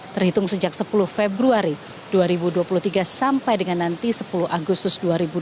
terhitung sejak sepuluh februari dua ribu dua puluh tiga sampai dengan nanti sepuluh agustus dua ribu dua puluh